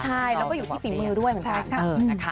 ใช่แล้วก็อยู่ที่ฝีมือด้วยเหมือนกัน